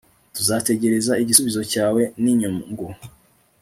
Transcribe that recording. Tuzategereza igisubizo cyawe ninyungu